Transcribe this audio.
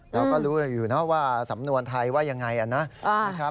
เราก็รู้อยู่นะว่าสำนวนไทยว่ายังไงนะครับ